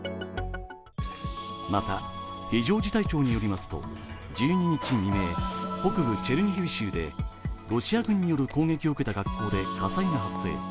また、非常事態庁によりますと、１２日未明北部チェルニヒウ州でロシア軍の攻撃を受けた学校で火災が発生。